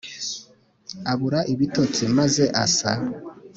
abura ibitotsi maze asa